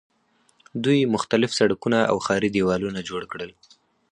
دوی مختلف سړکونه او ښاري دیوالونه جوړ کړل.